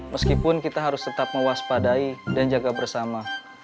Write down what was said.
meskipun kita harus tetap mewaspadai dan jaga bersama